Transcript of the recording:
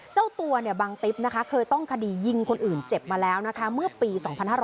เจ้าตัวบังติ๊บนะคะเคยต้องคดียิงคนอื่นเจ็บมาแล้วนะคะเมื่อปี๒๕๕๙